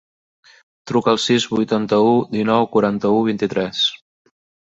Truca al sis, vuitanta-u, dinou, quaranta-u, vint-i-tres.